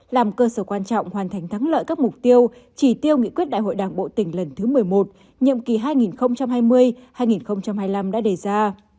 làm cơ sở quan trọng hoàn thành thắng lợi các mục tiêu chỉ tiêu nghị quyết đại hội đảng bộ tỉnh lần thứ một mươi một nhiệm kỳ hai nghìn hai mươi hai nghìn hai mươi năm đã đề ra